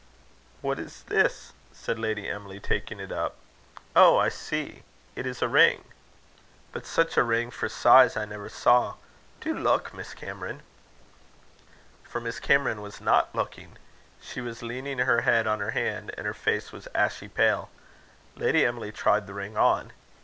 "What is this?" said Lady Emily, taking it up. "Oh! I see. It is a ring. But such a ring for size, I never saw. Do look, Miss Cameron." For Miss Cameron was not looking. She was leaning her head on her hand, and her face was ashy pale. Lady Emily tried the ring on.